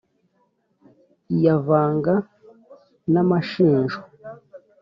Iyavanga n’amashinjo*,